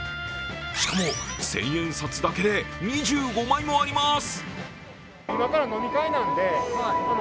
しかも千円札だけで２５枚もあります。